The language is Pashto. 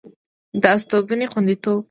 د استوګنې خوندیتوب